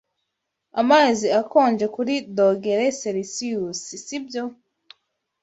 Amazi akonja kuri dogere selisiyusi, sibyo?